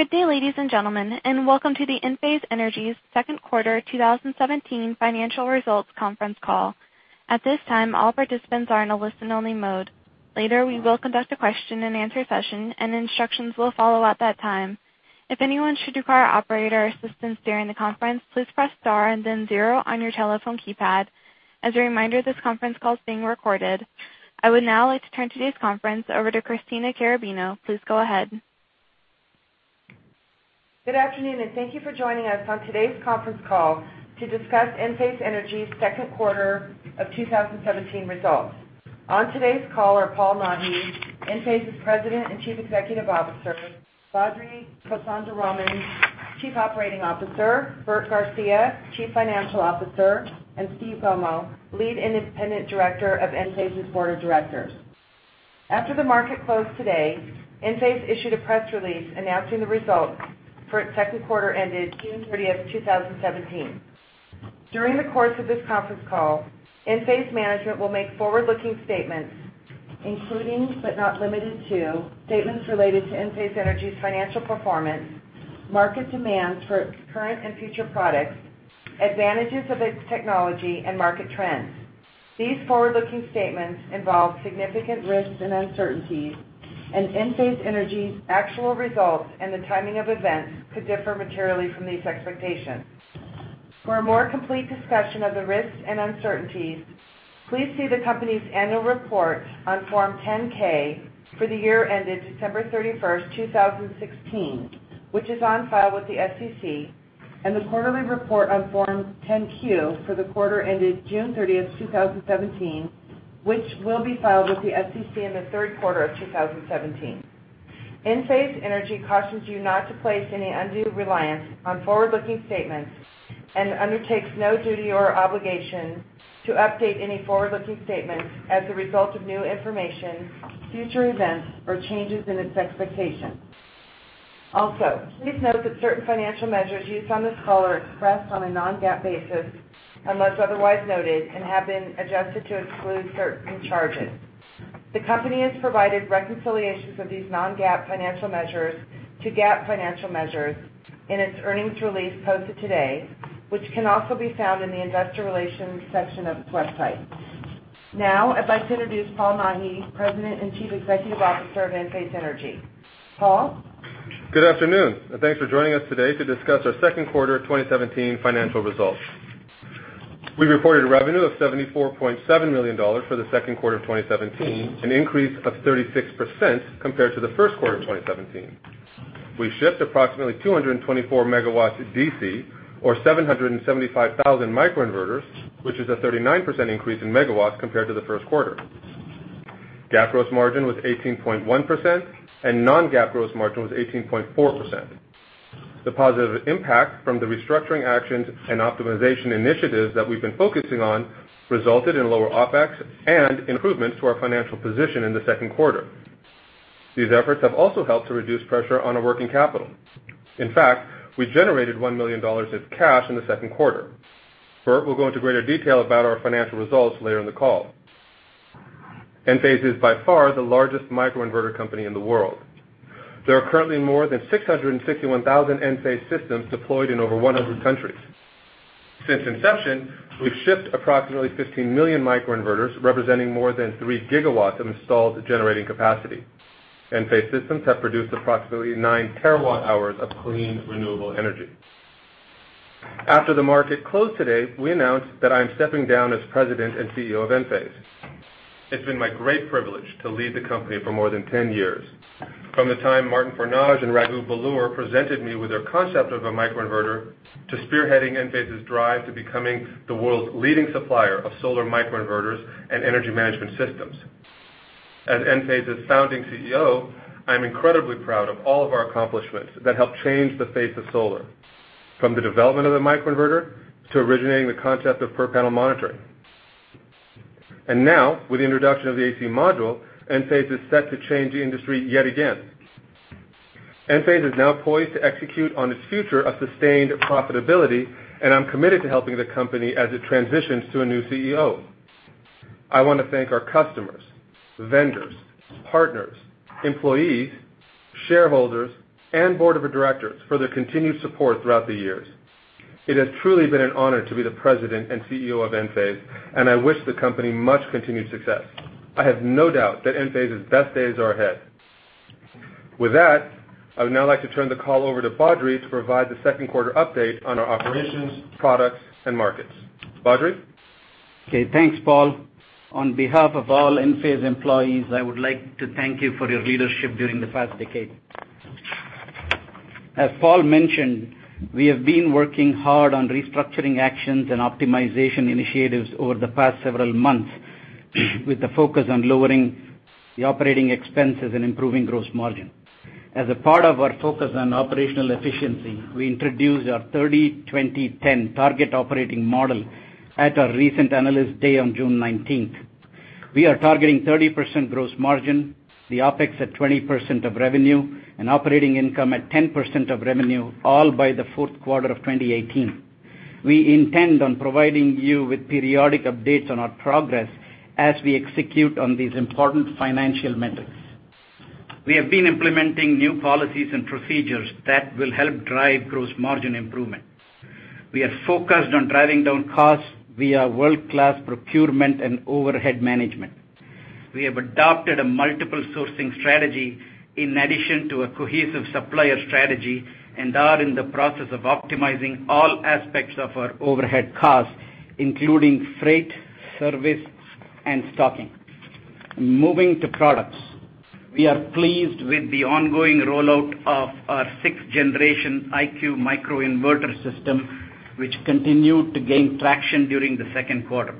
Good day, ladies and gentlemen, and welcome to the Enphase Energy second quarter 2017 financial results conference call. At this time, all participants are in a listen-only mode. Later, we will conduct a question and answer session, and instructions will follow at that time. If anyone should require operator assistance during the conference, please press star and then zero on your telephone keypad. As a reminder, this conference call is being recorded. I would now like to turn today's conference over to Christina Carrabino. Please go ahead. Good afternoon. Thank you for joining us on today's conference call to discuss Enphase Energy's second quarter of 2017 results. On today's call are Paul Nahi, Enphase's President and Chief Executive Officer, Badri Kothandaraman, Chief Operating Officer, Bert Garcia, Chief Financial Officer, and Steve Gomo, Lead Independent Director of Enphase's Board of Directors. After the market closed today, Enphase issued a press release announcing the results for its second quarter ended June 30th, 2017. During the course of this conference call, Enphase management will make forward-looking statements, including, not limited to, statements related to Enphase Energy's financial performance, market demands for its current and future products, advantages of its technology, and market trends. These forward-looking statements involve significant risks and uncertainties. Enphase Energy's actual results and the timing of events could differ materially from these expectations. For a more complete discussion of the risks and uncertainties, please see the company's annual report on Form 10-K for the year ended December 31st, 2016, which is on file with the SEC. The quarterly report on Form 10-Q for the quarter ended June 30th, 2017, which will be filed with the SEC in the third quarter of 2017. Enphase Energy cautions you not to place any undue reliance on forward-looking statements and undertakes no duty or obligation to update any forward-looking statements as a result of new information, future events, or changes in its expectations. Also, please note that certain financial measures used on this call are expressed on a non-GAAP basis unless otherwise noted and have been adjusted to exclude certain charges. The company has provided reconciliations of these non-GAAP financial measures to GAAP financial measures in its earnings release posted today, which can also be found in the investor relations section of its website. Now, I'd like to introduce Paul Nahi, President and Chief Executive Officer of Enphase Energy. Paul? Good afternoon, and thanks for joining us today to discuss our second quarter 2017 financial results. We reported revenue of $74.7 million for the second quarter of 2017, an increase of 36% compared to the first quarter of 2017. We shipped approximately 224 megawatts DC or 775,000 microinverters, which is a 39% increase in megawatts compared to the first quarter. GAAP gross margin was 18.1%, and non-GAAP gross margin was 18.4%. The positive impact from the restructuring actions and optimization initiatives that we've been focusing on resulted in lower OpEx and improvements to our financial position in the second quarter. These efforts have also helped to reduce pressure on our working capital. In fact, we generated $1 million of cash in the second quarter. Bert will go into greater detail about our financial results later in the call. Enphase is by far the largest microinverter company in the world. There are currently more than 661,000 Enphase systems deployed in over 100 countries. Since inception, we've shipped approximately 15 million microinverters, representing more than three gigawatts of installed generating capacity. Enphase systems have produced approximately nine terawatt-hours of clean, renewable energy. After the market closed today, we announced that I'm stepping down as president and CEO of Enphase. It's been my great privilege to lead the company for more than 10 years. From the time Martin Fornage and Raghu Belur presented me with their concept of a microinverter to spearheading Enphase's drive to becoming the world's leading supplier of solar microinverters and energy management systems. As Enphase's founding CEO, I'm incredibly proud of all of our accomplishments that helped change the face of solar, from the development of the microinverter to originating the concept of per-panel monitoring. Now, with the introduction of the AC module, Enphase is set to change the industry yet again. Enphase is now poised to execute on its future of sustained profitability, and I'm committed to helping the company as it transitions to a new CEO. I want to thank our customers, vendors, partners, employees, shareholders, and board of directors for their continued support throughout the years. It has truly been an honor to be the president and CEO of Enphase, and I wish the company much continued success. I have no doubt that Enphase's best days are ahead. I would now like to turn the call over to Badri to provide the second quarter update on our operations, products, and markets. Badri? Okay. Thanks, Paul. On behalf of all Enphase employees, I would like to thank you for your leadership during the past decade. As Paul mentioned, we have been working hard on restructuring actions and optimization initiatives over the past several months with the focus on lowering the operating expenses and improving gross margin. As a part of our focus on operational efficiency, we introduced our 30-20-10 target operating model at our recent Analyst Day on June 19th. We are targeting 30% gross margin, the OpEx at 20% of revenue, and operating income at 10% of revenue, all by the fourth quarter of 2018. We intend on providing you with periodic updates on our progress as we execute on these important financial metrics. We have been implementing new policies and procedures that will help drive gross margin improvement. We are focused on driving down costs via world-class procurement and overhead management. We have adopted a multiple sourcing strategy in addition to a cohesive supplier strategy, are in the process of optimizing all aspects of our overhead costs, including freight, service, and stocking. Moving to products. We are pleased with the ongoing rollout of our sixth generation IQ Microinverter system, which continued to gain traction during the second quarter.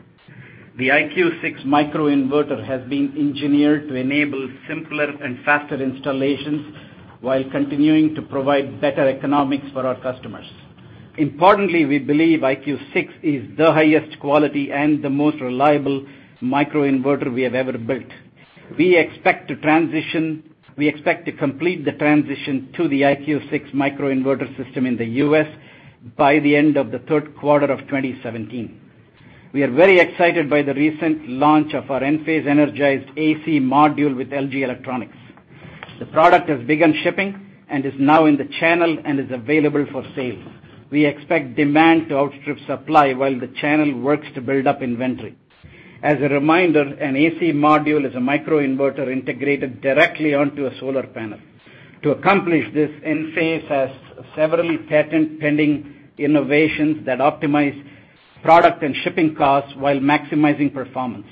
The IQ 6 microinverter has been engineered to enable simpler and faster installations while continuing to provide better economics for our customers. Importantly, we believe IQ 6 is the highest quality and the most reliable microinverter we have ever built. We expect to complete the transition to the IQ 6 microinverter system in the U.S. by the end of the third quarter of 2017. We are very excited by the recent launch of our Enphase Energized AC Module with LG Electronics. The product has begun shipping and is now in the channel and is available for sale. We expect demand to outstrip supply while the channel works to build up inventory. As a reminder, an AC Module is a microinverter integrated directly onto a solar panel. To accomplish this, Enphase has several patent-pending innovations that optimize product and shipping costs while maximizing performance.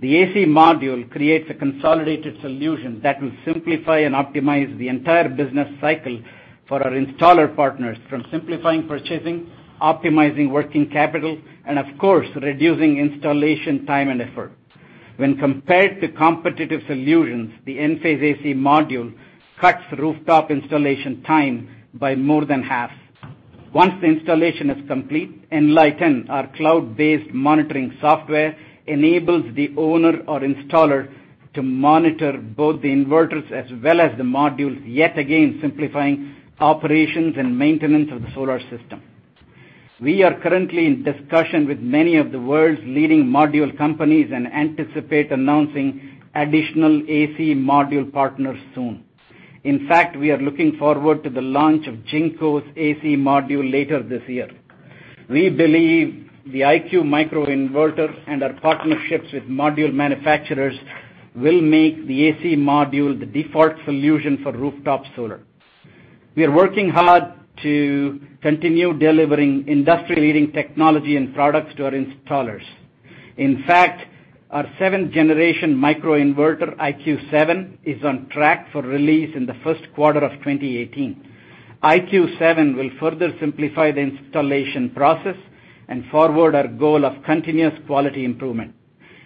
The AC Module creates a consolidated solution that will simplify and optimize the entire business cycle for our installer partners from simplifying purchasing, optimizing working capital, and of course, reducing installation time and effort. When compared to competitive solutions, the Enphase AC Module cuts rooftop installation time by more than half. Once the installation is complete, Enlighten, our cloud-based monitoring software, enables the owner or installer to monitor both the inverters as well as the modules, yet again simplifying operations and maintenance of the solar system. We are currently in discussion with many of the world's leading module companies and anticipate announcing additional AC Module partners soon. In fact, we are looking forward to the launch of Jinko's AC Module later this year. We believe the IQ Microinverter and our partnerships with module manufacturers will make the AC Module the default solution for rooftop solar. We are working hard to continue delivering industry-leading technology and products to our installers. In fact, our seventh generation microinverter, IQ 7, is on track for release in the first quarter of 2018. IQ 7 will further simplify the installation process and forward our goal of continuous quality improvement.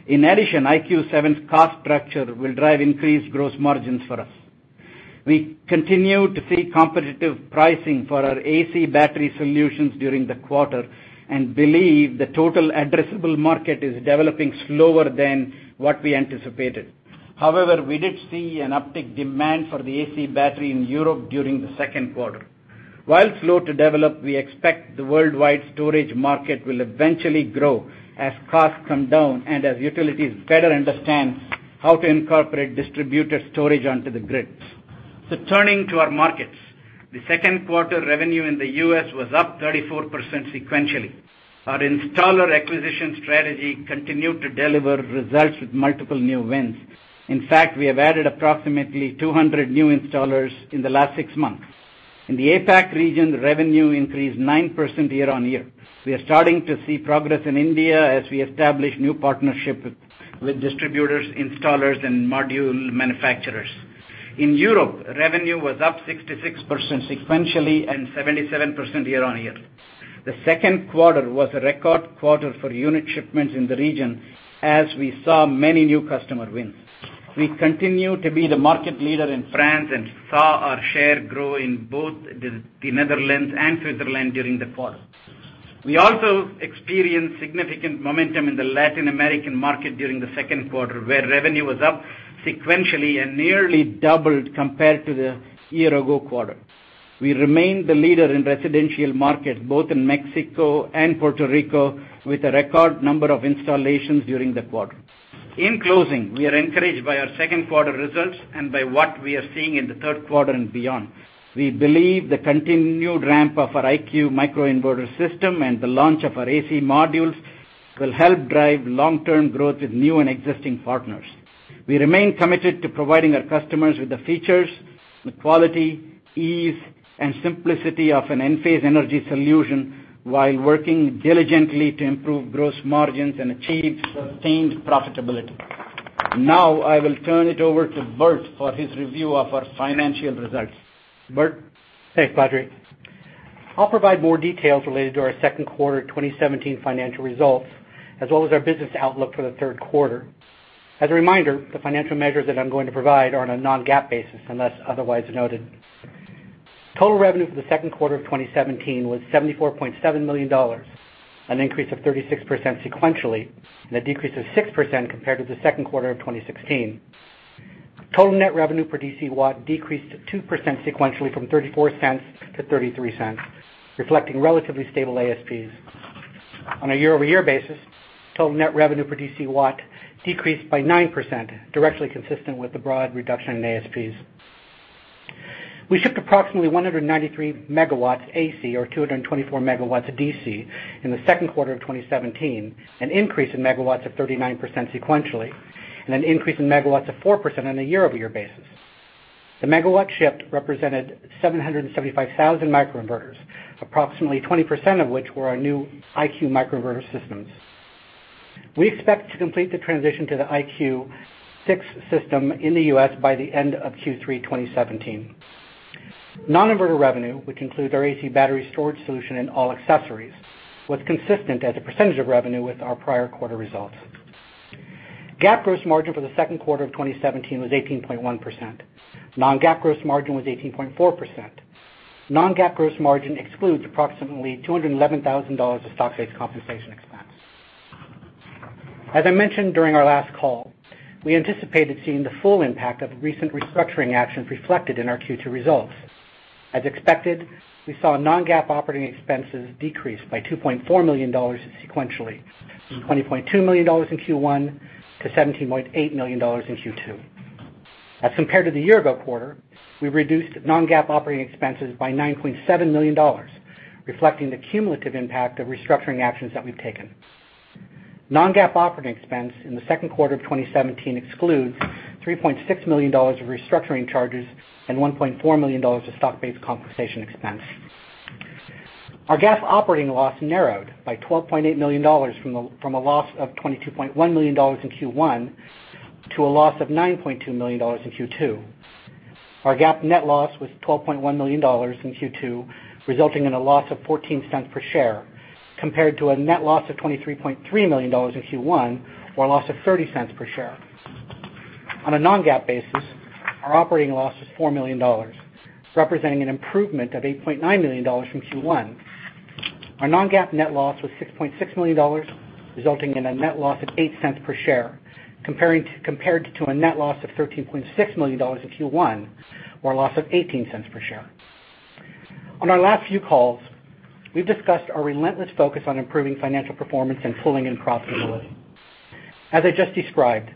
In addition, IQ 7's cost structure will drive increased gross margins for us. We continued to see competitive pricing for our AC Battery solutions during the quarter and believe the total addressable market is developing slower than what we anticipated. We did see an uptick demand for the AC Battery in Europe during the second quarter. While slow to develop, we expect the worldwide storage market will eventually grow as costs come down and as utilities better understand how to incorporate distributed storage onto the grids. Turning to our markets. The second quarter revenue in the U.S. was up 34% sequentially. Our installer acquisition strategy continued to deliver results with multiple new wins. In fact, we have added approximately 200 new installers in the last six months. In the APAC region, revenue increased 9% year-on-year. We are starting to see progress in India as we establish new partnerships with distributors, installers, and module manufacturers. In Europe, revenue was up 66% sequentially and 77% year-on-year. The second quarter was a record quarter for unit shipments in the region as we saw many new customer wins. We continue to be the market leader in France and saw our share grow in both the Netherlands and Switzerland during the quarter. We also experienced significant momentum in the Latin American market during the second quarter, where revenue was up sequentially and nearly doubled compared to the year-ago quarter. We remain the leader in residential markets both in Mexico and Puerto Rico, with a record number of installations during the quarter. In closing, we are encouraged by our second quarter results and by what we are seeing in the third quarter and beyond. We believe the continued ramp of our IQ microinverter system and the launch of our AC modules will help drive long-term growth with new and existing partners. We remain committed to providing our customers with the features, the quality, ease, and simplicity of an Enphase Energy solution while working diligently to improve gross margins and achieve sustained profitability. I will turn it over to Bert for his review of our financial results. Bert? Thanks, Badri. I'll provide more details related to our second quarter 2017 financial results, as well as our business outlook for the third quarter. As a reminder, the financial measures that I'm going to provide are on a non-GAAP basis, unless otherwise noted. Total revenue for the second quarter of 2017 was $74.7 million, an increase of 36% sequentially, and a decrease of 6% compared to the second quarter of 2016. Total net revenue per DC watt decreased to 2% sequentially from $0.34 to $0.33, reflecting relatively stable ASPs. On a year-over-year basis, total net revenue per DC watt decreased by 9%, directly consistent with the broad reduction in ASPs. We shipped approximately 193 megawatts AC or 224 megawatts DC in the second quarter of 2017, an increase in megawatts of 39% sequentially, and an increase in megawatts of 4% on a year-over-year basis. The megawatt shift represented 775,000 microinverters, approximately 20% of which were our new IQ Microinverter systems. We expect to complete the transition to the IQ6 system in the U.S. by the end of Q3 2017. Non-inverter revenue, which includes our AC Battery storage solution and all accessories, was consistent as a percentage of revenue with our prior quarter results. GAAP gross margin for the second quarter of 2017 was 18.1%. Non-GAAP gross margin was 18.4%. Non-GAAP gross margin excludes approximately $211,000 of stock-based compensation expense. As I mentioned during our last call, we anticipated seeing the full impact of recent restructuring actions reflected in our Q2 results. As expected, we saw non-GAAP operating expenses decrease by $2.4 million sequentially, from $20.2 million in Q1 to $17.8 million in Q2. As compared to the year-ago quarter, we reduced non-GAAP operating expenses by $9.7 million, reflecting the cumulative impact of restructuring actions that we've taken. Non-GAAP operating expense in the second quarter of 2017 excludes $3.6 million of restructuring charges and $1.4 million of stock-based compensation expense. Our GAAP operating loss narrowed by $12.8 million from a loss of $22.1 million in Q1 to a loss of $9.2 million in Q2. Our GAAP net loss was $12.1 million in Q2, resulting in a loss of $0.14 per share, compared to a net loss of $23.3 million in Q1 or a loss of $0.30 per share. On a non-GAAP basis, our operating loss was $4 million, representing an improvement of $8.9 million from Q1. Our non-GAAP net loss was $6.6 million, resulting in a net loss of $0.08 per share, compared to a net loss of $13.6 million in Q1 or a loss of $0.18 per share. On our last few calls, we've discussed our relentless focus on improving financial performance and pulling in profitability. As I just described,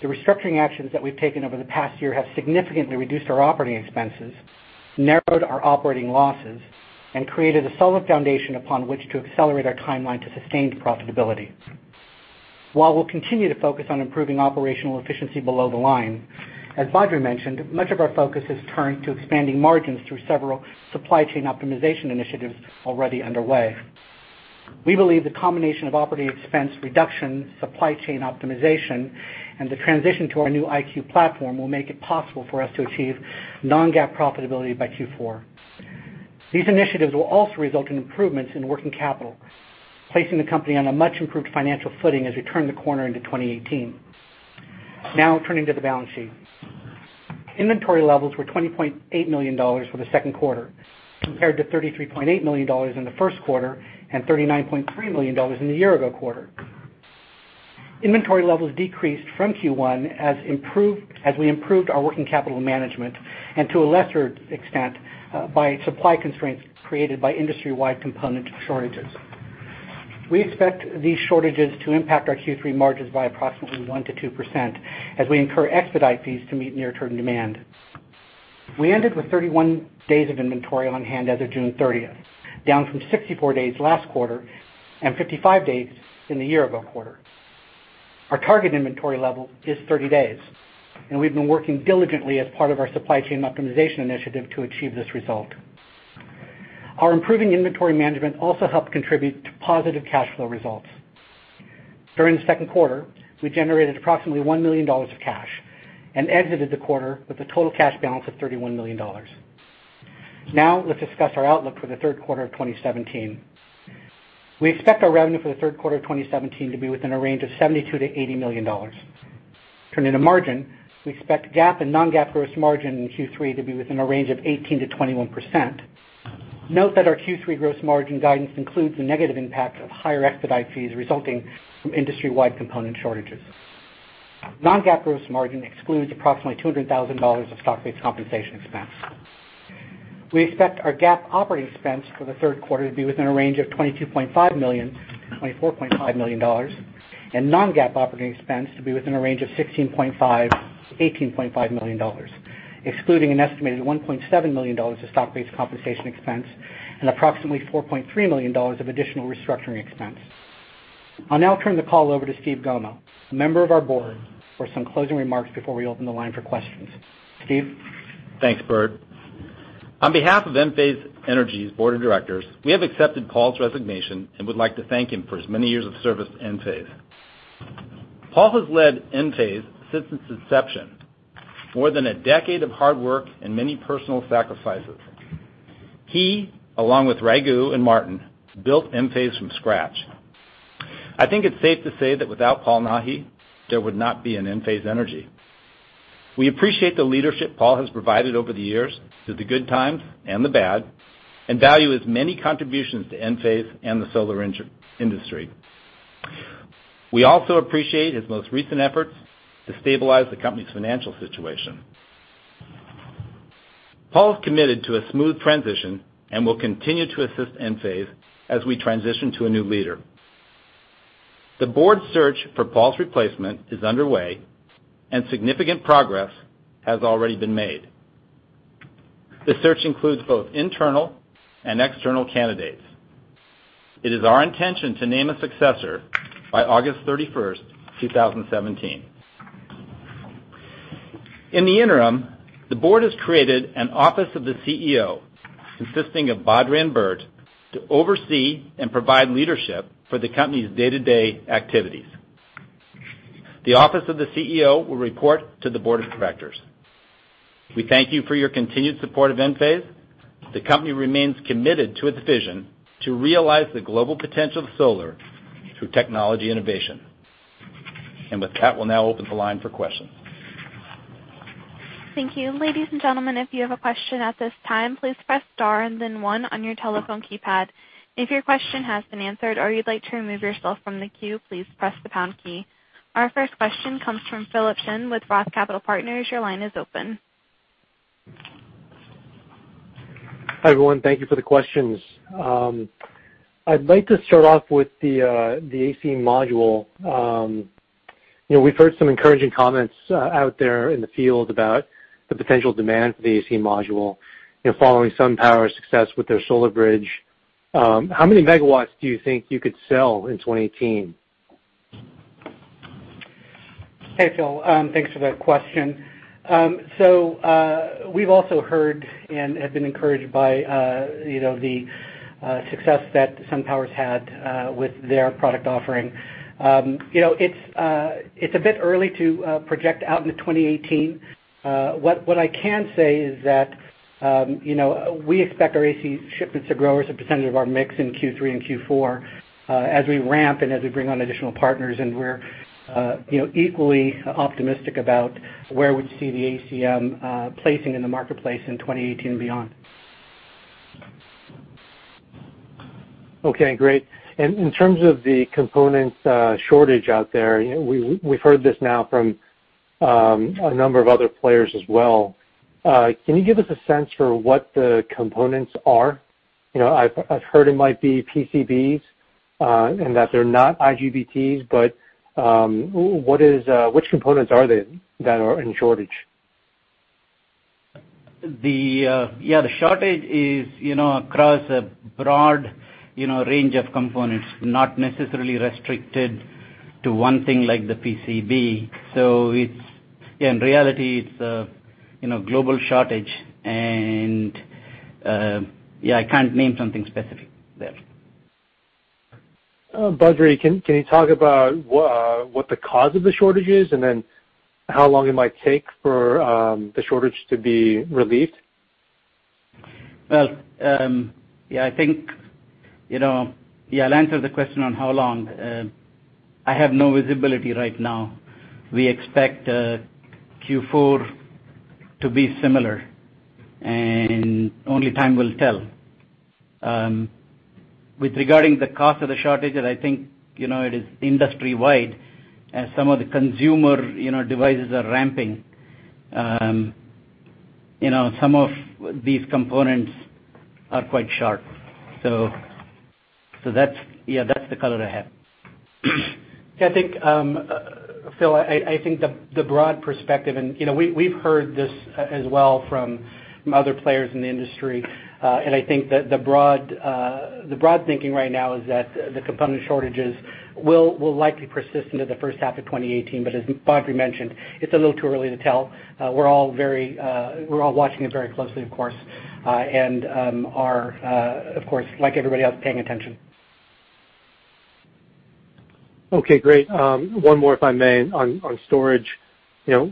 the restructuring actions that we've taken over the past year have significantly reduced our operating expenses, narrowed our operating losses, and created a solid foundation upon which to accelerate our timeline to sustained profitability. While we'll continue to focus on improving operational efficiency below the line, as Badri mentioned, much of our focus has turned to expanding margins through several supply chain optimization initiatives already underway. We believe the combination of operating expense reduction, supply chain optimization, and the transition to our new IQ platform will make it possible for us to achieve non-GAAP profitability by Q4. These initiatives will also result in improvements in working capital, placing the company on a much improved financial footing as we turn the corner into 2018. Turning to the balance sheet. Inventory levels were $20.8 million for the second quarter, compared to $33.8 million in the first quarter and $39.3 million in the year-ago quarter. Inventory levels decreased from Q1 as we improved our working capital management and to a lesser extent, by supply constraints created by industry-wide component shortages. We expect these shortages to impact our Q3 margins by approximately 1%-2% as we incur expedite fees to meet near-term demand. We ended with 31 days of inventory on hand as of June 30th, down from 64 days last quarter and 55 days in the year-ago quarter. Our target inventory level is 30 days, and we've been working diligently as part of our supply chain optimization initiative to achieve this result. Our improving inventory management also helped contribute to positive cash flow results. During the second quarter, we generated approximately $1 million of cash and exited the quarter with a total cash balance of $31 million. Let's discuss our outlook for the third quarter of 2017. We expect our revenue for the third quarter of 2017 to be within a range of $72 million-$80 million. Turning to margin, we expect GAAP and non-GAAP gross margin in Q3 to be within a range of 18%-21%. Note that our Q3 gross margin guidance includes the negative impact of higher expedite fees resulting from industry-wide component shortages. Non-GAAP gross margin excludes approximately $200,000 of stock-based compensation expense. We expect our GAAP operating expense for the third quarter to be within a range of $22.5 million-$24.5 million, and non-GAAP operating expense to be within a range of $16.5 million-$18.5 million, excluding an estimated $1.7 million of stock-based compensation expense and approximately $4.3 million of additional restructuring expense. I'll now turn the call over to Steve Gomo, a member of our board, for some closing remarks before we open the line for questions. Steve? Thanks, Bert. On behalf of Enphase Energy's board of directors, we have accepted Paul's resignation and would like to thank him for his many years of service to Enphase. Paul has led Enphase since its inception, more than a decade of hard work and many personal sacrifices. He, along with Raghu and Martin, built Enphase from scratch. I think it's safe to say that without Paul Nahi, there would not be an Enphase Energy. We appreciate the leadership Paul has provided over the years, through the good times and the bad, and value his many contributions to Enphase and the solar industry. We also appreciate his most recent efforts to stabilize the company's financial situation. Paul's committed to a smooth transition and will continue to assist Enphase as we transition to a new leader. The board's search for Paul's replacement is underway, and significant progress has already been made. The search includes both internal and external candidates. It is our intention to name a successor by August 31st, 2017. In the interim, the board has created an office of the CEO, consisting of Badri and Bert, to oversee and provide leadership for the company's day-to-day activities. The office of the CEO will report to the board of directors. We thank you for your continued support of Enphase. The company remains committed to its vision to realize the global potential of solar through technology innovation. With that, we'll now open the line for questions. Thank you. Ladies and gentlemen, if you have a question at this time, please press star and then one on your telephone keypad. If your question has been answered or you'd like to remove yourself from the queue, please press the pound key. Our first question comes from Philip Shen with Roth Capital Partners. Your line is open. Hi, everyone. Thank you for the questions. I'd like to start off with the AC Module. We've heard some encouraging comments out there in the field about the potential demand for the AC Module, following SunPower's success with their SolarBridge. How many megawatts do you think you could sell in 2018? Hey, Phil. Thanks for that question. We've also heard and have been encouraged by the success that SunPower's had with their product offering. It's a bit early to project out into 2018. What I can say is that we expect our AC shipments to grow as a percentage of our mix in Q3 and Q4 as we ramp and as we bring on additional partners, and we're equally optimistic about where we see the ACM placing in the marketplace in 2018 and beyond. Okay, great. In terms of the component shortage out there, we've heard this now from a number of other players as well. Can you give us a sense for what the components are? I've heard it might be PCBs, and that they're not IGBTs, which components are they that are in shortage? The shortage is across a broad range of components, not necessarily restricted to one thing like the PCB. I can't name something specific there. Badri, can you talk about what the cause of the shortage is, and then how long it might take for the shortage to be relieved? Well, I'll answer the question on how long. I have no visibility right now. We expect Q4 to be similar, and only time will tell. With regarding the cause of the shortage, I think it is industry-wide, as some of the consumer devices are ramping. Some of these components are quite sharp. That's the color I have. Phil, I think the broad perspective, and we've heard this as well from other players in the industry, and I think that the broad thinking right now is that the component shortages will likely persist into the first half of 2018. As Badri mentioned, it's a little too early to tell. We're all watching it very closely, of course, and are, of course, like everybody else, paying attention. Okay, great. One more, if I may, on storage. You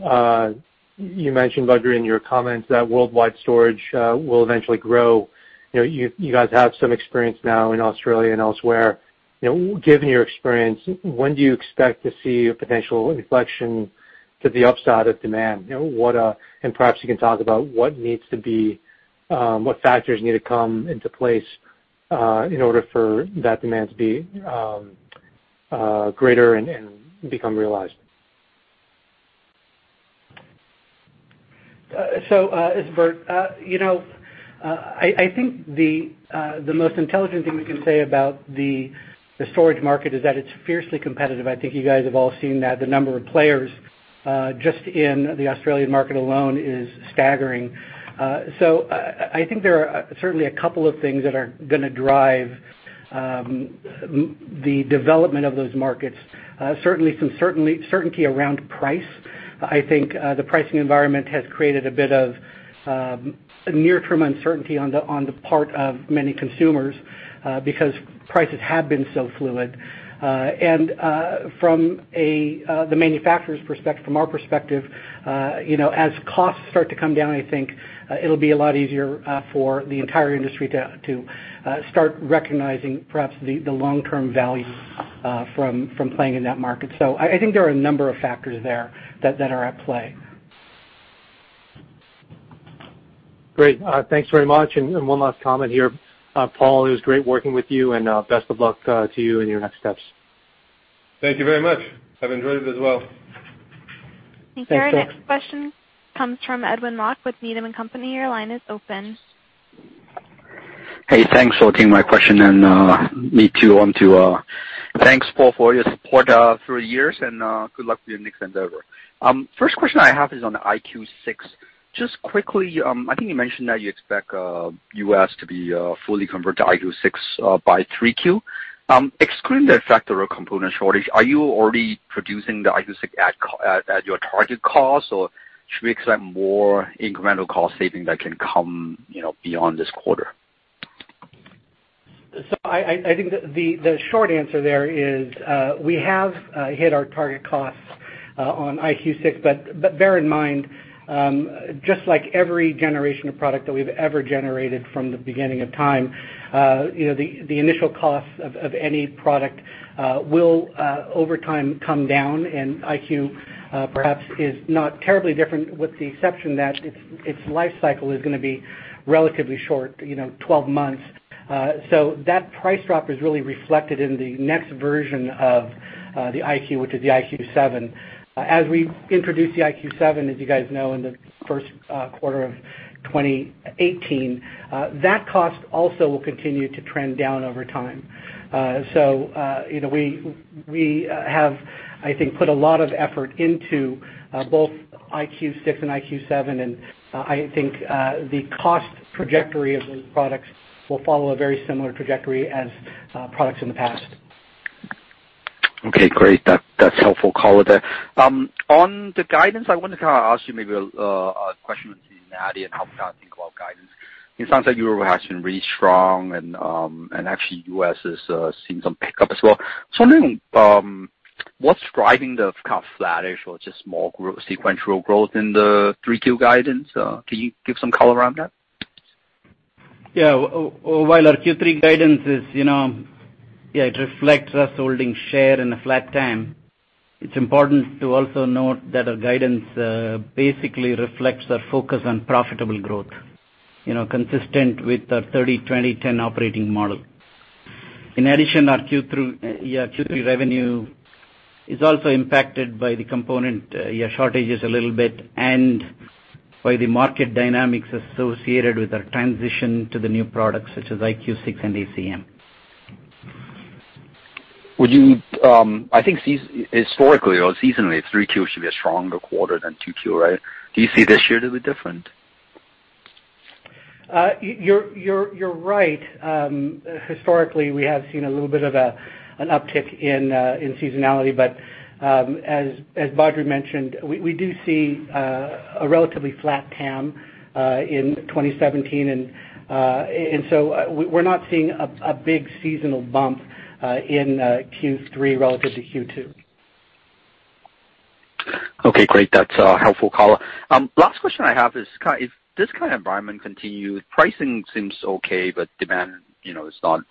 mentioned, Badri, in your comments that worldwide storage will eventually grow. You guys have some experience now in Australia and elsewhere. Given your experience, when do you expect to see a potential inflection to the upside of demand? Perhaps you can talk about what factors need to come into place in order for that demand to be greater and become realized. It's Bert. I think the most intelligent thing we can say about the storage market is that it's fiercely competitive. I think you guys have all seen that the number of players just in the Australian market alone is staggering. I think there are certainly a couple of things that are going to drive the development of those markets. Certainly some certainty around price. I think the pricing environment has created a bit of near-term uncertainty on the part of many consumers because prices have been so fluid. From the manufacturer's perspective, from our perspective, as costs start to come down, I think it'll be a lot easier for the entire industry to start recognizing perhaps the long-term value from playing in that market. I think there are a number of factors there that are at play. Great. Thanks very much. One last comment here. Paul, it was great working with you, and best of luck to you in your next steps. Thank you very much. I've enjoyed it as well. Thank you. Thank you. Our next question comes from Edwin Mok with Needham & Company. Your line is open. Hey, thanks for taking my question, and me too, want to thanks Paul for all your support through the years, and good luck with your next endeavor. First question I have is on IQ 6. Just quickly, I think you mentioned that you expect U.S. to be fully converted to IQ 6 by 3Q. Excluding the effect of a component shortage, are you already producing the IQ 6 at your target cost, or should we expect more incremental cost saving that can come beyond this quarter? I think the short answer there is we have hit our target costs on IQ 6. Bear in mind, just like every generation of product that we've ever generated from the beginning of time, the initial cost of any product will over time come down, and IQ perhaps is not terribly different, with the exception that its life cycle is going to be relatively short, 12 months. That price drop is really reflected in the next version of the IQ, which is the IQ 7. As we introduce the IQ 7, as you guys know, in the first quarter of 2018, that cost also will continue to trend down over time. We have, I think, put a lot of effort into both IQ 6 and IQ 7, and I think the cost trajectory of those products will follow a very similar trajectory as products in the past. Okay, great. That's helpful color there. On the guidance, I wanted to ask you maybe a question on seasonality and how we can think about guidance. It sounds like Europe has been really strong and actually U.S. is seeing some pickup as well. I'm wondering what's driving the kind of flattish or just more sequential growth in the 3Q guidance? Can you give some color around that? Yeah. While our Q3 guidance is, it reflects us holding share in a flat TAM, it's important to also note that our guidance basically reflects our focus on profitable growth, consistent with our 30/20/10 operating model. In addition, our Q3 revenue is also impacted by the component shortages a little bit and by the market dynamics associated with our transition to the new products, such as IQ 6 and ACM. I think historically or seasonally, 3Q should be a stronger quarter than 2Q, right? Do you see this year to be different? You're right. Historically, we have seen a little bit of an uptick in seasonality. As Badri mentioned, we do see a relatively flat TAM in 2017, we're not seeing a big seasonal bump in Q3 relative to Q2. Okay, great. That's helpful color. Last question I have is, if this kind of environment continues, pricing seems okay, but demand, it's kind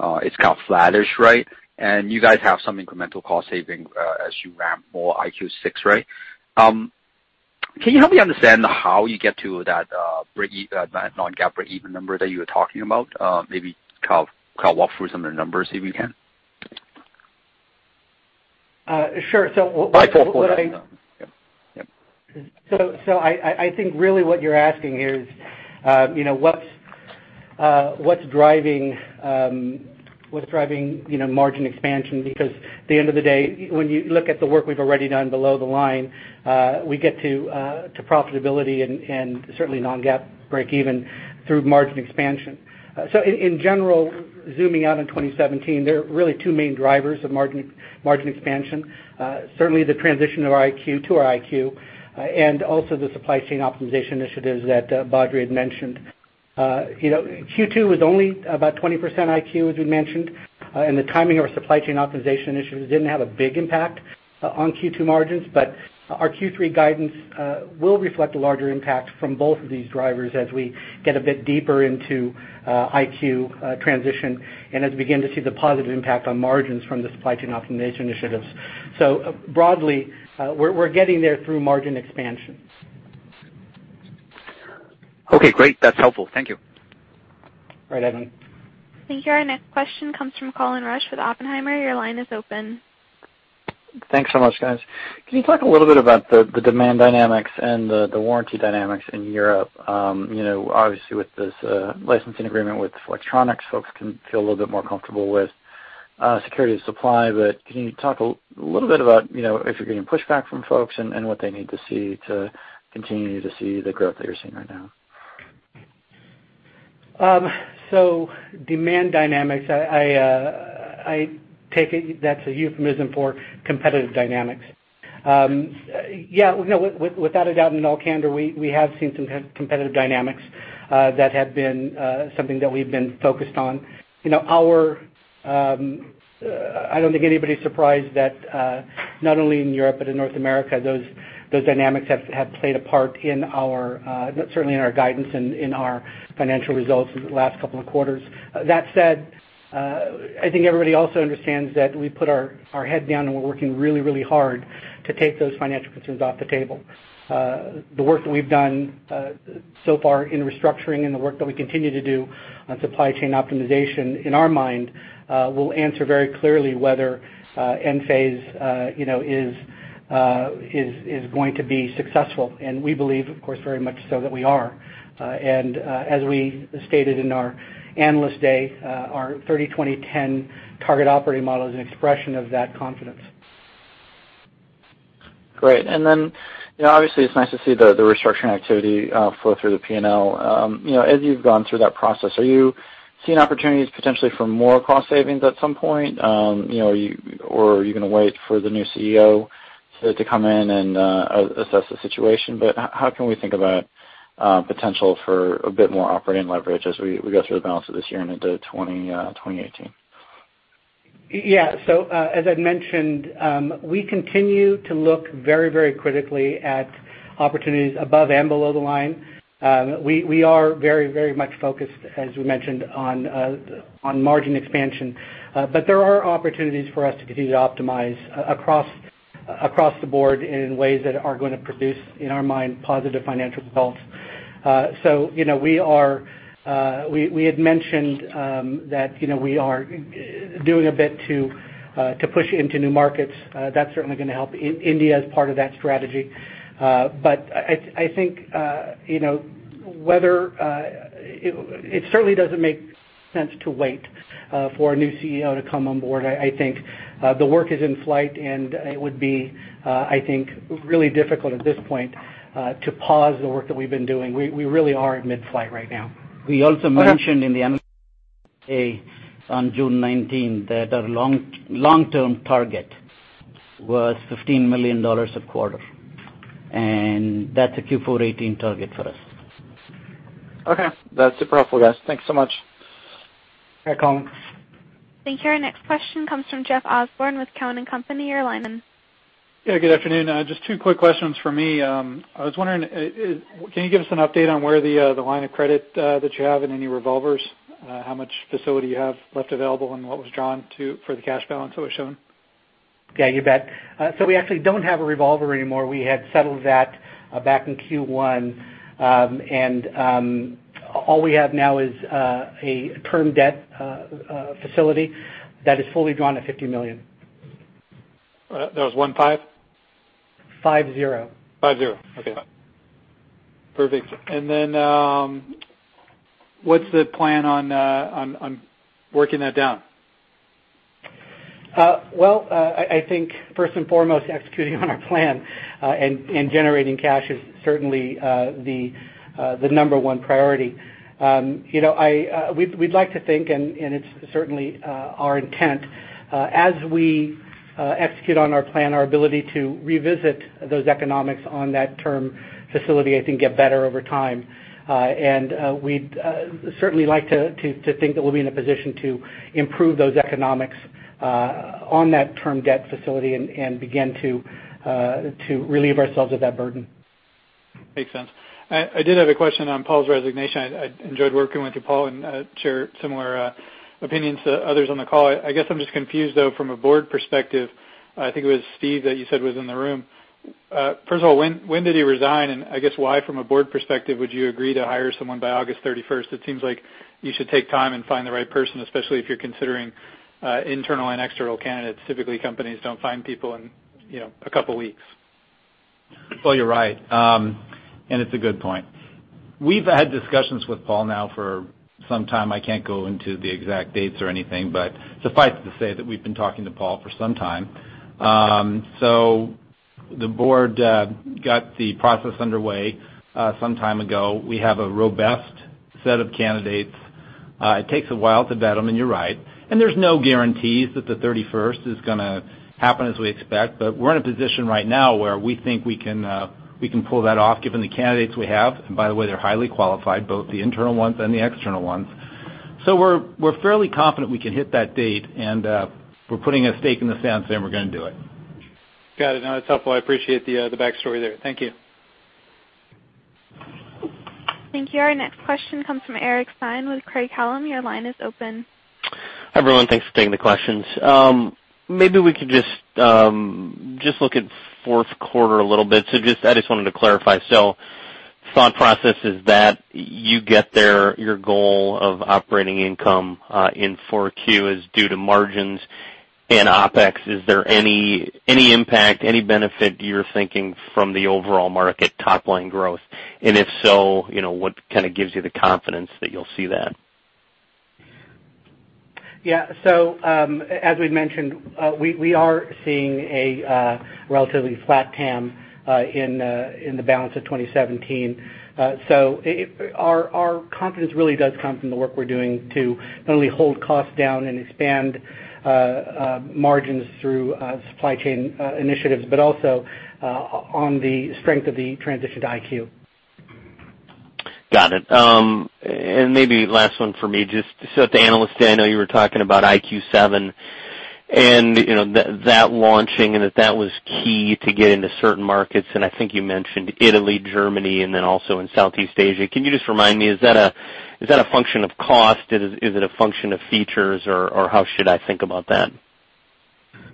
of flattish, right? You guys have some incremental cost saving as you ramp more IQ 6, right? Can you help me understand how you get to that non-GAAP breakeven number that you were talking about? Maybe walk through some of the numbers if you can. Sure. By fourth quarter. Yep. I think really what you're asking here is what's driving margin expansion? Because at the end of the day, when you look at the work we've already done below the line, we get to profitability and certainly non-GAAP breakeven through margin expansion. In general, zooming out on 2017, there are really two main drivers of margin expansion. Certainly, the transition to our IQ, and also the supply chain optimization initiatives that Badri had mentioned. Q2 was only about 20% IQ, as we mentioned, and the timing of our supply chain optimization initiatives didn't have a big impact on Q2 margins. Our Q3 guidance will reflect a larger impact from both of these drivers as we get a bit deeper into IQ transition and as we begin to see the positive impact on margins from the supply chain optimization initiatives. Broadly, we're getting there through margin expansion. Okay, great. That's helpful. Thank you. All right, Edwin. Thank you. Our next question comes from Colin Rusch with Oppenheimer. Your line is open. Thanks so much, guys. Can you talk a little bit about the demand dynamics and the warranty dynamics in Europe? Obviously, with this licensing agreement with Flextronics, folks can feel a little bit more comfortable with security of supply. Can you talk a little bit about if you're getting pushback from folks and what they need to see to continue to see the growth that you're seeing right now? Demand dynamics, I take it that's a euphemism for competitive dynamics. Yeah. Without a doubt, in all candor, we have seen some competitive dynamics that have been something that we've been focused on. I don't think anybody's surprised that not only in Europe but in North America, those dynamics have played a part certainly in our guidance and in our financial results in the last couple of quarters. That said I think everybody also understands that we put our head down and we're working really hard to take those financial concerns off the table. The work that we've done so far in restructuring and the work that we continue to do on supply chain optimization, in our mind, will answer very clearly whether Enphase is going to be successful. We believe, of course, very much so that we are. As we stated in our Analyst Day, our 30-20-10 target operating model is an expression of that confidence. Great. Obviously it's nice to see the restructuring activity flow through the P&L. As you've gone through that process, are you seeing opportunities potentially for more cost savings at some point? Are you going to wait for the new CEO to come in and assess the situation? How can we think about potential for a bit more operating leverage as we go through the balance of this year and into 2018? Yeah. As I'd mentioned, we continue to look very critically at opportunities above and below the line. We are very much focused, as we mentioned, on margin expansion. There are opportunities for us to continue to optimize across the board in ways that are going to produce, in our mind, positive financial results. We had mentioned that we are doing a bit to push into new markets. That's certainly going to help. India is part of that strategy. I think it certainly doesn't make sense to wait for a new CEO to come on board. I think the work is in flight, and it would be, I think, really difficult at this point to pause the work that we've been doing. We really are in mid-flight right now. We also mentioned in the Analyst Day on June 19th that our long-term target was $15 million a quarter, and that's a Q4 2018 target for us. Okay. That's super helpful, guys. Thanks so much. Welcome. Thank you. Our next question comes from Jeff Osborne with Cowen and Company. Your line is- Yeah, good afternoon. Just two quick questions from me. I was wondering, can you give us an update on where the line of credit that you have and any revolvers, how much facility you have left available, and what was drawn for the cash balance that was shown? Yeah, you bet. We actually don't have a revolver anymore. We had settled that back in Q1. All we have now is a term debt facility that is fully drawn at $50 million. That was one, five? Five, zero. Five, zero. Okay. Perfect. What's the plan on working that down? Well, I think first and foremost, executing on our plan and generating cash is certainly the number one priority. We'd like to think, and it's certainly our intent, as we execute on our plan, our ability to revisit those economics on that term facility, I think, get better over time. We'd certainly like to think that we'll be in a position to improve those economics on that term debt facility and begin to relieve ourselves of that burden. Makes sense. I did have a question on Paul's resignation. I enjoyed working with you, Paul, and share similar opinions to others on the call. I guess I'm just confused, though, from a board perspective. I think it was Steve that you said was in the room. First of all, when did he resign? I guess why, from a board perspective, would you agree to hire someone by August 31st? It seems like you should take time and find the right person, especially if you're considering internal and external candidates. Typically, companies don't find people in a couple of weeks. Well, you're right. It's a good point. We've had discussions with Paul now for some time. I can't go into the exact dates or anything, but suffice it to say that we've been talking to Paul for some time. The board got the process underway some time ago. We have a robust set of candidates. It takes a while to vet them, and you're right. There's no guarantees that the 31st is going to happen as we expect, but we're in a position right now where we think we can pull that off given the candidates we have. By the way, they're highly qualified, both the internal ones and the external ones. We're fairly confident we can hit that date, and we're putting a stake in the sand saying we're going to do it. Got it. No, that's helpful. I appreciate the backstory there. Thank you. Thank you. Our next question comes from Eric Stein with Craig-Hallum. Your line is open. Hi, everyone. Thanks for taking the questions. Maybe we could just look at fourth quarter a little bit. I just wanted to clarify. Thought process is that you get there, your goal of operating income in 4Q is due to margins and OpEx. Is there any impact, any benefit you're thinking from the overall market top-line growth? If so, what kind of gives you the confidence that you'll see that? Yeah. As we've mentioned, we are seeing a relatively flat TAM in the balance of 2017. Our confidence really does come from the work we're doing to not only hold costs down and expand margins through supply chain initiatives, but also on the strength of the transition to IQ. Got it. Maybe last one for me, just at the Analyst Day, I know you were talking about IQ 7 That launching and that was key to get into certain markets, and I think you mentioned Italy, Germany, and then also in Southeast Asia. Can you just remind me, is that a function of cost? Is it a function of features, or how should I think about that?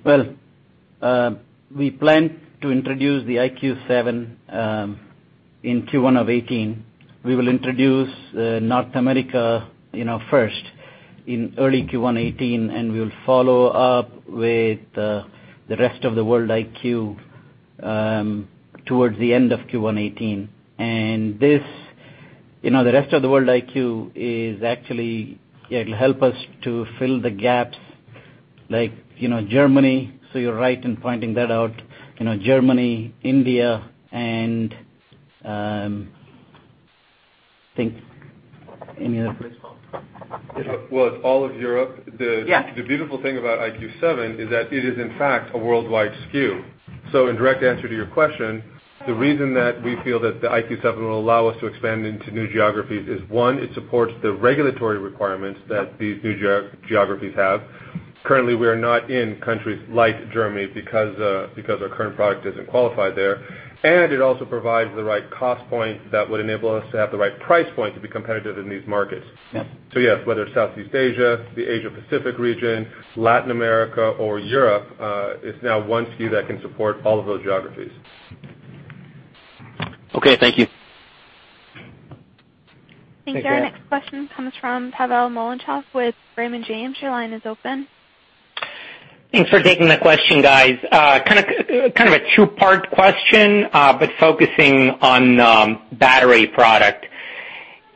Well, we plan to introduce the IQ 7 in Q1 of '18. We will introduce North America first in early Q1 '18, and we'll follow up with the rest of the world IQ towards the end of Q1 '18. The rest of the world IQ is actually, it'll help us to fill the gaps like Germany. You're right in pointing that out. Germany, India, and I think any other- Well, it's all of Europe. Yeah. The beautiful thing about IQ 7 is that it is in fact a worldwide SKU. In direct answer to your question, the reason that we feel that the IQ 7 will allow us to expand into new geographies is, one, it supports the regulatory requirements that these new geographies have. Currently, we are not in countries like Germany because our current product isn't qualified there. It also provides the right cost point that would enable us to have the right price point to be competitive in these markets. Yeah. Yes, whether it's Southeast Asia, the Asia Pacific region, Latin America, or Europe, it's now one SKU that can support all of those geographies. Okay, thank you. Thank you. Our next question comes from Pavel Molchanov with Raymond James. Your line is open. Thanks for taking the question, guys. Kind of a two-part question, but focusing on battery product.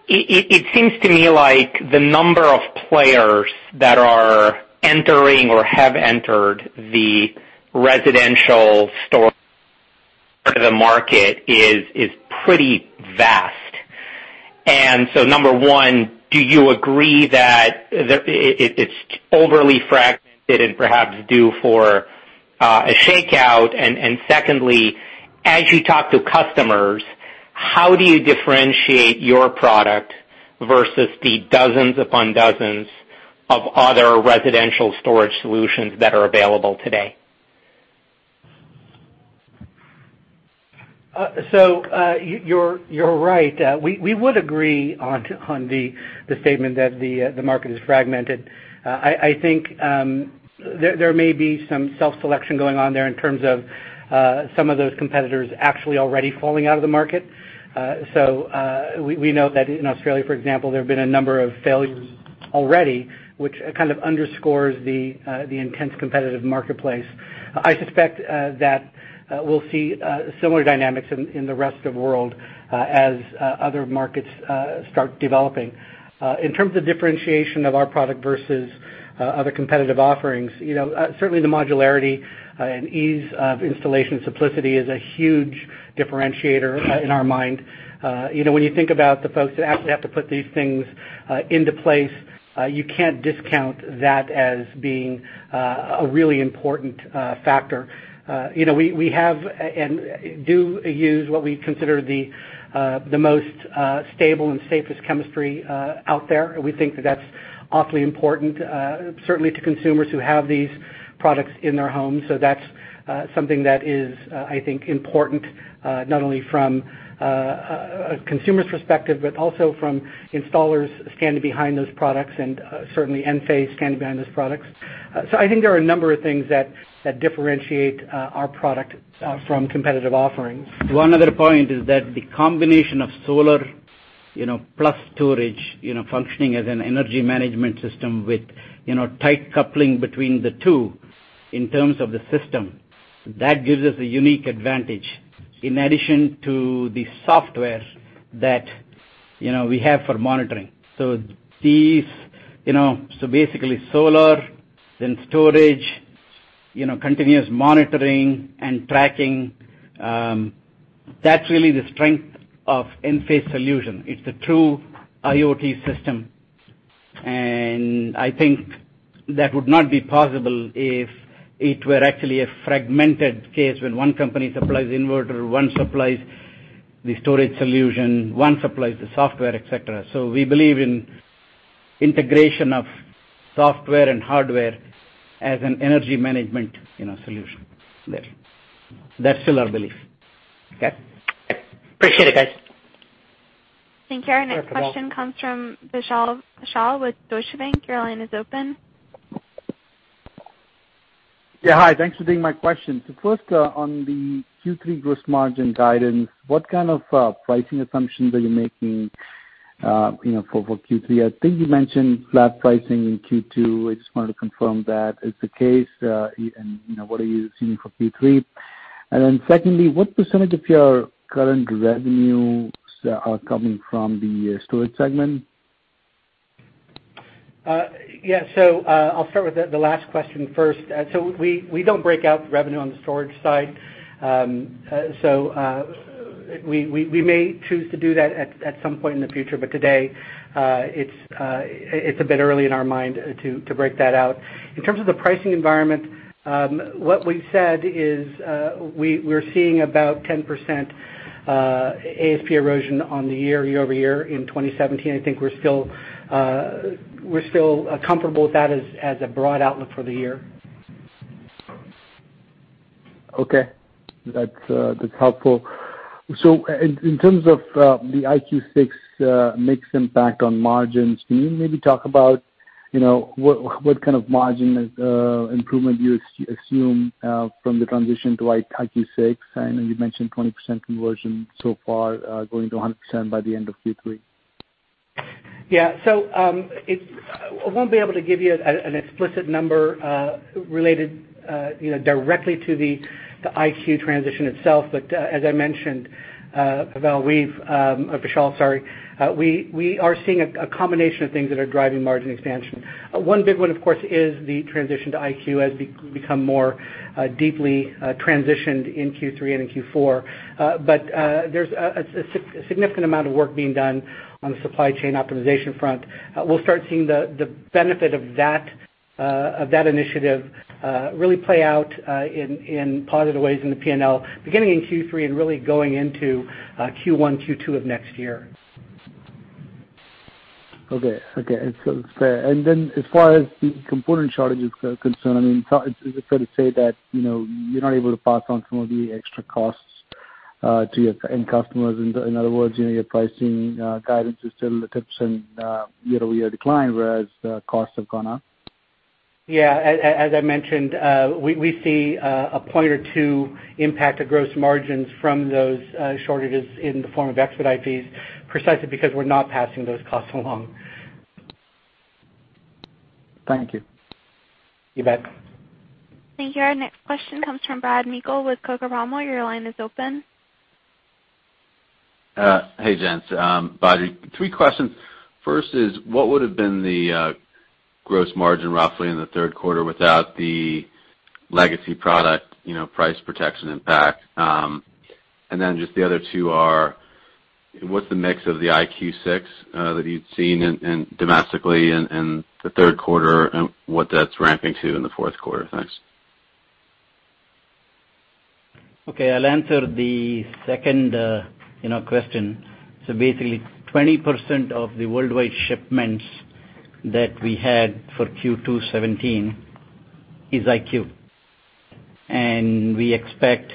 It seems to me like the number of players that are entering or have entered the residential storage part of the market is pretty vast. Number one, do you agree that it's overly fragmented and perhaps due for a shakeout? Secondly, as you talk to customers, how do you differentiate your product versus the dozens upon dozens of other residential storage solutions that are available today? You're right. We would agree on the statement that the market is fragmented. I think there may be some self-selection going on there in terms of some of those competitors actually already falling out of the market. We know that in Australia, for example, there have been a number of failures already, which kind of underscores the intense competitive marketplace. I suspect that we'll see similar dynamics in the rest of the world as other markets start developing. In terms of differentiation of our product versus other competitive offerings, certainly the modularity and ease of installation simplicity is a huge differentiator in our mind. When you think about the folks that actually have to put these things into place, you can't discount that as being a really important factor. We have and do use what we consider the most stable and safest chemistry out there. We think that's awfully important, certainly to consumers who have these products in their homes. That's something that is, I think, important, not only from a consumer's perspective, but also from installers standing behind those products, and certainly Enphase standing behind those products. I think there are a number of things that differentiate our product from competitive offerings. One other point is that the combination of solar plus storage functioning as an energy management system with tight coupling between the two in terms of the system, that gives us a unique advantage in addition to the software that we have for monitoring. Basically solar, then storage, continuous monitoring, and tracking, that's really the strength of Enphase solution. It's a true IoT system, and I think that would not be possible if it were actually a fragmented case when one company supplies the inverter, one supplies the storage solution, one supplies the software, et cetera. We believe in integration of software and hardware as an energy management solution there. That's still our belief. Okay. Appreciate it, guys. Thank you. Our next question comes from Vishal Shah with Deutsche Bank. Your line is open. Yeah. Hi. Thanks for taking my question. First, on the Q3 gross margin guidance, what kind of pricing assumptions are you making for Q3? I think you mentioned flat pricing in Q2. I just wanted to confirm that is the case, and what are you seeing for Q3. Secondly, what % of your current revenues are coming from the storage segment? Yeah. I'll start with the last question first. We don't break out revenue on the storage side. We may choose to do that at some point in the future. Today, it's a bit early in our mind to break that out. In terms of the pricing environment, what we said is we're seeing about 10% ASP erosion on the year-over-year in 2017. I think we're still comfortable with that as a broad outlook for the year. Okay. That's helpful. In terms of the IQ 6 mix impact on margins, can you maybe talk about what kind of margin improvement you assume from the transition to IQ 6? I know you mentioned 20% conversion so far, going to 100% by the end of Q3. Yeah. I won't be able to give you an explicit number related directly to the IQ transition itself, as I mentioned, Pavel, Vishal, sorry, we are seeing a combination of things that are driving margin expansion. One big one, of course, is the transition to IQ as we become more deeply transitioned in Q3 and in Q4. There's a significant amount of work being done on the supply chain optimization front. We'll start seeing the benefit of that initiative really play out in positive ways in the P&L, beginning in Q3 and really going into Q1, Q2 of next year. Okay. It's fair. As far as the component shortages are concerned, is it fair to say that you're not able to pass on some of the extra costs to your end customers? In other words, your pricing guidance is still a year-over-year decline, whereas the costs have gone up. Yeah. As I mentioned, we see a point or two impact of gross margins from those shortages in the form of expedite fees, precisely because we're not passing those costs along. Thank you. You bet. Thank you. Our next question comes from Brad Meikle with Coker & Palmer. Your line is open. Hey, gents. Badri. Three questions. First is, what would've been the gross margin roughly in the third quarter without the legacy product price protection impact? Then just the other two are, what's the mix of the IQ 6 that you'd seen domestically in the third quarter, and what that's ramping to in the fourth quarter? Thanks. Okay, I'll answer the second question. Basically, 20% of the worldwide shipments that we had for Q2 2017 is IQ. We expect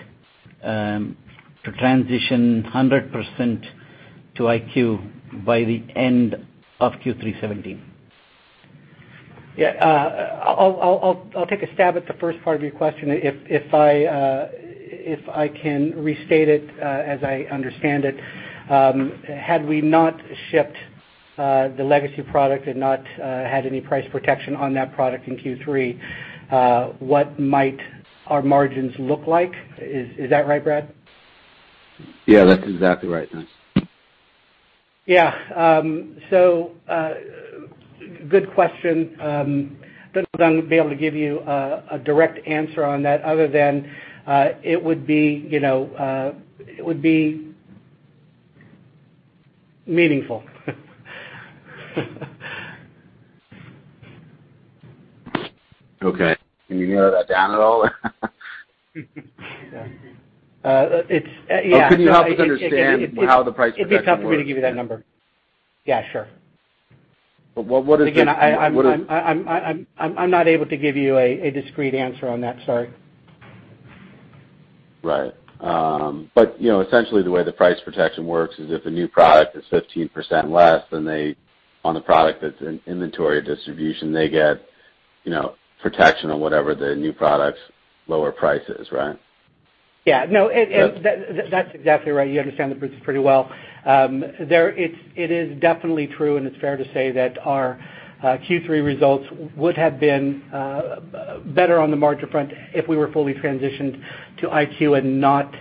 to transition 100% to IQ by the end of Q3 2017. Yeah. I'll take a stab at the first part of your question. If I can restate it as I understand it, had we not shipped the legacy product and not had any price protection on that product in Q3, what might our margins look like? Is that right, Brad? Yeah, that's exactly right. Thanks. Yeah. Good question. Don't know that I'm going to be able to give you a direct answer on that other than it would be meaningful. Okay. Can you narrow that down at all? Yeah. It's. Can you help us understand how the price protection works? It'd be tough for me to give you that number. Yeah, sure. What is the- Again, I'm not able to give you a discrete answer on that, sorry. Right. Essentially the way the price protection works is if a new product is 15% less, then on the product that's in inventory distribution, they get protection on whatever the new product's lower price is, right? Yeah. That's exactly right. You understand the business pretty well. It is definitely true, and it's fair to say that our Q3 results would have been better on the margin front if we were fully transitioned to IQ and not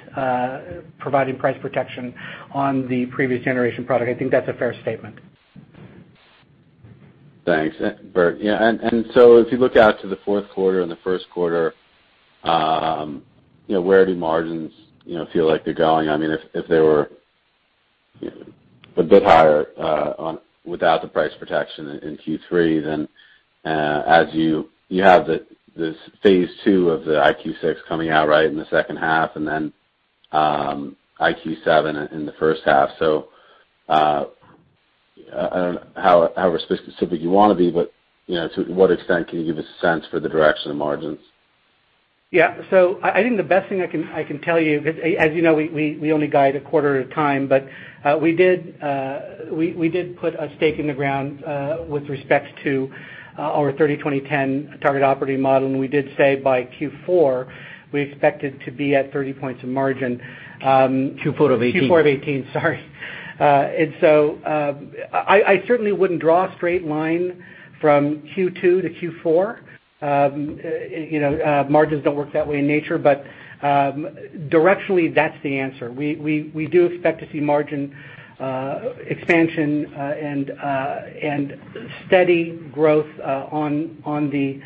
providing price protection on the previous generation product. I think that's a fair statement. Thanks. As you look out to the fourth quarter and the first quarter, where do margins feel like they're going? If they were a bit higher without the price protection in Q3, then as you have this phase 2 of the IQ 6 coming out right in the second half and then IQ 7 in the first half. I don't know how specific you want to be, but to what extent can you give a sense for the direction of margins? Yeah. I think the best thing I can tell you, as you know, we only guide a quarter at a time, but we did put a stake in the ground with respect to our 30-20-10 target operating model, and we did say by Q4, we expected to be at 30 points of margin. Q4 of 2018. Q4 of 2018, sorry. I certainly wouldn't draw a straight line from Q2 to Q4. Margins don't work that way in nature, but directionally, that's the answer. We do expect to see margin expansion and steady growth on the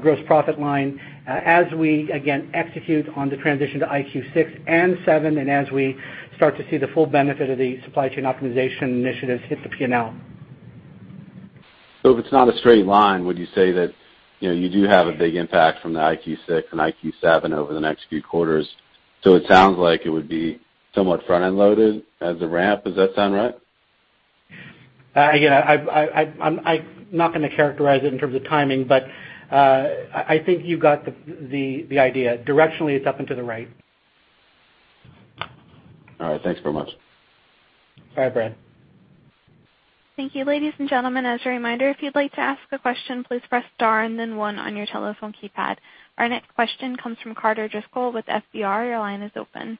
gross profit line as we, again, execute on the transition to IQ 6 and 7, and as we start to see the full benefit of the supply chain optimization initiatives hit the P&L. If it's not a straight line, would you say that you do have a big impact from the IQ 6 and IQ 7 over the next few quarters? It sounds like it would be somewhat front-end loaded as a ramp. Does that sound right? Again, I'm not going to characterize it in terms of timing, but I think you got the idea. Directionally, it's up and to the right. All right. Thanks very much. Bye, Brad. Thank you. Ladies and gentlemen, as a reminder, if you'd like to ask a question, please press star and then one on your telephone keypad. Our next question comes from Carter Driscoll with FBR. Your line is open.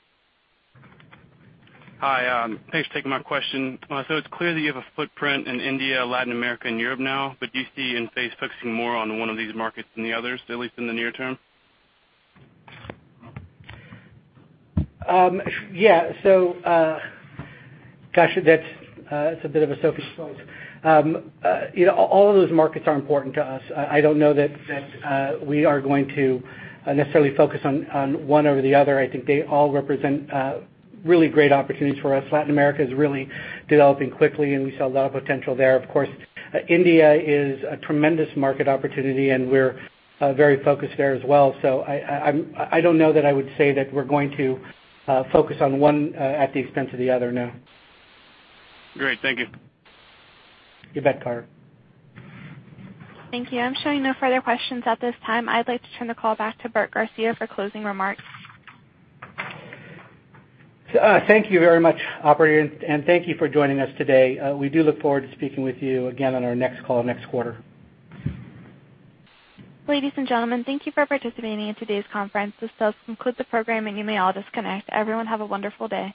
Hi, thanks for taking my question. It's clear that you have a footprint in India, Latin America, and Europe now, do you see Enphase focusing more on one of these markets than the others, at least in the near term? Gosh, that's a bit of a Sophie's choice. All of those markets are important to us. I don't know that we are going to necessarily focus on one over the other. I think they all represent really great opportunities for us. Latin America is really developing quickly, and we see a lot of potential there. India is a tremendous market opportunity, and we're very focused there as well. I don't know that I would say that we're going to focus on one at the expense of the other, no. Great. Thank you. You bet, Carter. Thank you. I'm showing no further questions at this time. I'd like to turn the call back to Bert Garcia for closing remarks. Thank you very much, operator, and thank you for joining us today. We do look forward to speaking with you again on our next call next quarter. Ladies and gentlemen, thank you for participating in today's conference. This does conclude the program, and you may all disconnect. Everyone, have a wonderful day.